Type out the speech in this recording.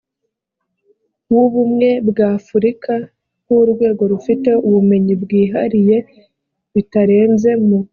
w ubumwe bwa afurika nk urwego rufite ubumenyi bwihariye bitarenze mu